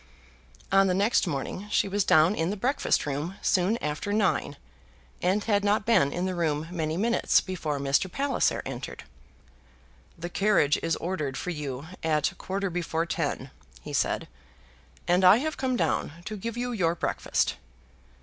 On the next morning she was down in the breakfast room soon after nine, and had not been in the room many minutes before Mr. Palliser entered. "The carriage is ordered for you at a quarter before ten," he said, "and I have come down to give you your breakfast."